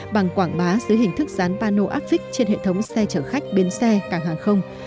bằng quảng bá dưới hình thức dán pano áp vích trên hệ thống xe chở khách biến xe càng hàng không